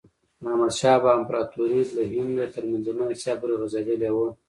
د احمد شاه بابا امپراتوري له هند تر منځنۍ آسیا پورې غځېدلي وه.